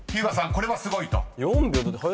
これはすごいと？］